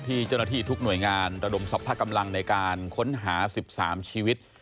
เจ้าหน้าที่ทุกหน่วยงานระดมสรรพกำลังในการค้นหา๑๓ชีวิต